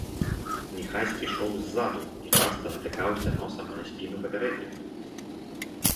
Міхась ішоў ззаду і часта натыкаўся носам на спіну папярэдняга.